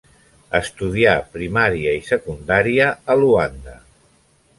Estudià primària i secundària a Luanda.